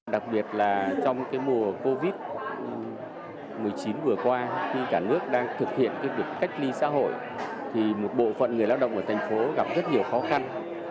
đặc biệt trong lĩnh vực cách ly xã hội một bộ phận người lao động ở thành phố gặp rất nhiều khó khăn